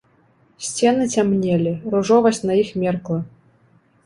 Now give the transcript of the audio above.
Сцены цямнелі, ружовасць на іх меркла.